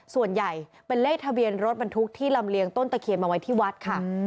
ส่วนใหญ่เป็นเลขทะเบียนรถบรรทุกที่ลำเลียงต้นตะเคียนมาไว้ที่วัดค่ะ